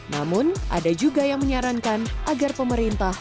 namun ada juga yang menyarankan agar pemerintah